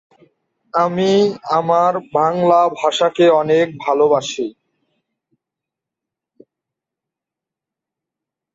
প্রভাত নলিনী দাস যে যে বিশ্ববিদ্যালয়ে পড়াশোনা করেছেন সেখানেই তিনি শ্রেণীতে শীর্ষস্থান লাভ করেছেন।